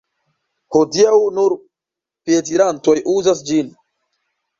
Hodiaŭ nur piedirantoj uzas ĝin.